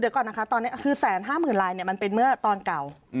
เดี๋ยวก่อนนะค่ะ๒๕๐๐๐๐ลายเป็นเมื่อตอนเก่า